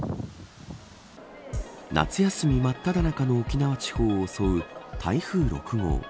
夏休みまっただ中の沖縄地方を襲う台風６号。